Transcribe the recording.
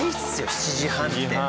７時半って。